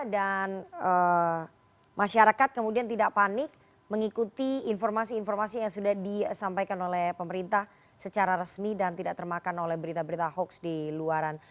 dan masyarakat kemudian tidak panik mengikuti informasi informasi yang sudah disampaikan oleh pemerintah secara resmi dan tidak termakan oleh berita berita hoax di luaran